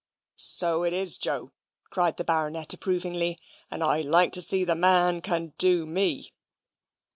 "So it is, Joe," cried the Baronet, approvingly; "and I'd like to see the man can do me."